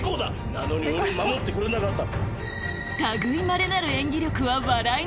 なのに俺守ってくれなかった。